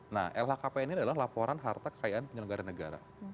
nah lhkpn ini adalah laporan harta kekayaan penyelenggara negara